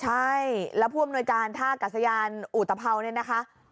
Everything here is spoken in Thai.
ใช่แล้วภูมิโนยการท่ากับสยานอูตภัวร์นี่นะคะ